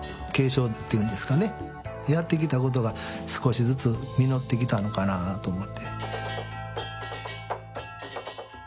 やってきた事が少しずつ実ってきたのかなと思って。